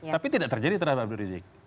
tapi tidak terjadi terhadap abdul rizik